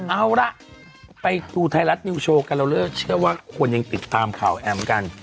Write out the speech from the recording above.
เอาล่ะไปดูไทยรัฐนิวโชว์กันเราเลิกเชื่อว่าคนยังติดตามข่าวแอมกัน